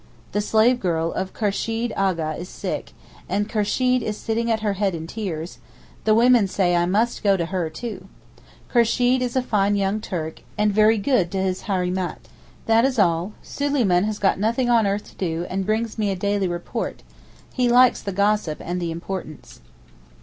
The slave girl of Kursheed A'gha is sick, and Kursheed is sitting at her head in tears; the women say I must go to her, too. Kursheed is a fine young Turk, and very good to his Hareemat. That is all; Suleyman has nothing on earth to do, and brings me a daily report; he likes the gossip and the importance.